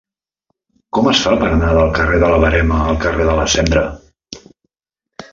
Com es fa per anar del carrer de la Verema al carrer de la Cendra?